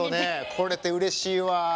来れてうれしいわ。